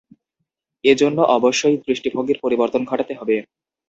এ জন্য অবশ্যই দৃষ্টিভঙ্গির পরিবর্তন ঘটাতে হবে।